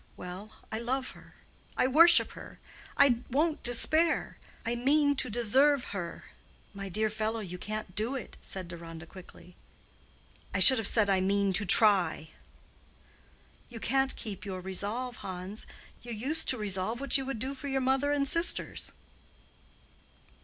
Well, I love her—I worship her—I won't despair—I mean to deserve her." "My dear fellow, you can't do it," said Deronda, quickly. "I should have said, I mean to try." "You can't keep your resolve, Hans. You used to resolve what you would do for your mother and sisters."